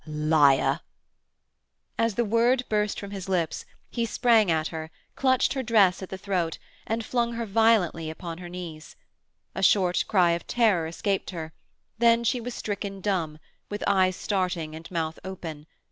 "Liar!" As the word burst from his lips, he sprang at her, clutched her dress at the throat, and flung her violently upon her knees. A short cry of terror escaped her; then she was stricken dumb, with eyes starting and mouth open.